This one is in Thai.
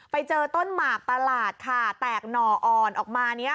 ไปเจอต้นหมากประหลาดค่ะแตกหน่ออ่อนออกมาเนี้ย